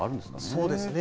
そうですね。